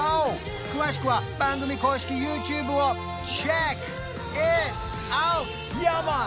詳しくは番組公式ＹｏｕＴｕｂｅをｃｈｅｃｋｉｔｏｕｔ！